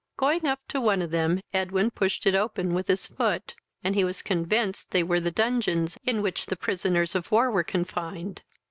Going up to one of them, Edwin pushed it open with his foot, and he was convinced they were the dungeons in which prisoners of war were confined.